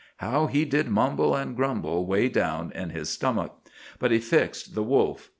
How he did mumble and grumble way down in his stomach; but he fixed the wolf.